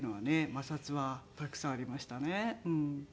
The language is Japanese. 摩擦はたくさんありましたね。